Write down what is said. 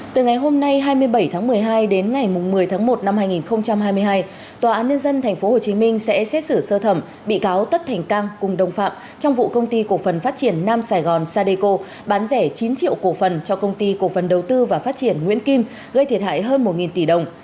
từ ngày hôm nay hai mươi bảy tháng một mươi hai đến ngày một mươi tháng một năm hai nghìn hai mươi hai tòa án nhân dân tp hcm sẽ xét xử sơ thẩm bị cáo tất thành cang cùng đồng phạm trong vụ công ty cổ phần phát triển nam sài gòn sadeco bán rẻ chín triệu cổ phần cho công ty cổ phần đầu tư và phát triển nguyễn kim gây thiệt hại hơn một tỷ đồng